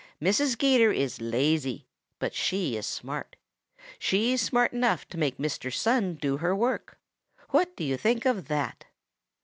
Mrs. 'Gator is lazy, but she is smart. She's smart enough to make Mr. Sun do her work. What do you think of that?"